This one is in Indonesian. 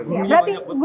berarti guru banyak